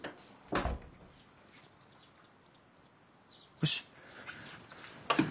・よし。